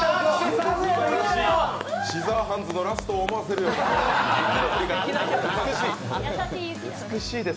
「シザーハンズ」のラストを思わせる、美しい。